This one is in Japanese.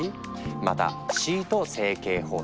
また「シート成形方式」。